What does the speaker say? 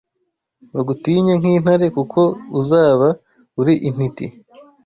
Bagutinye nk'intare Kuko uzaba uri intiti